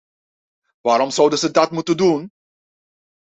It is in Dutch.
Waarom zouden ze dat moeten doen?